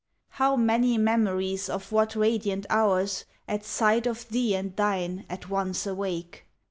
How many memories of what radiant hours At sight of thee and thine at once awake!